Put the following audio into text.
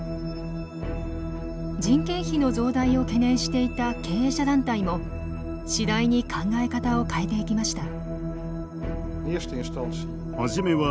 人件費の増大を懸念していた経営者団体も次第に考え方を変えていきました。